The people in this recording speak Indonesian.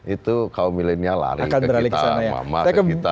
itu kaum milenial lari ke kita